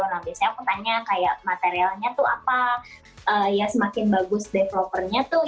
nah biasanya aku tanya kayak materialnya tuh apa ya semakin bagus developernya tuh